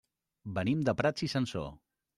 Venim de Prats i Sansor.